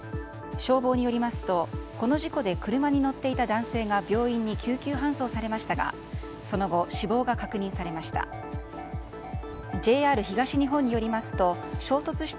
消防によりますと、この事故で車に乗っていた男性が病院に救急搬送されましたがその後、死亡が確認されました。